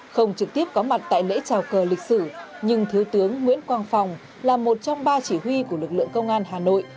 không trực tiếp có mặt tại lễ trào cờ lịch sử nhưng thiếu tướng nguyễn quang phong là một trong ba chỉ huy của lực lượng công an hà nội